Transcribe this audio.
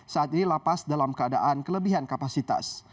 saat ini lapas dalam keadaan kelebihan kapasitas